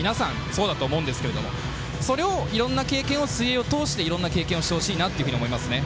そうだと思うんですけどそれをいろんな水泳を通していろんな経験をしてほしいなと思いますね。